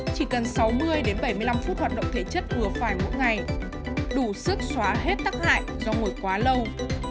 chỉ cần sáu mươi bảy mươi năm phút hoạt động thể chất ngừa phải mỗi ngày đủ sức xóa hết tác hại do ngồi quá lâu